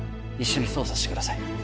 一緒に捜査してください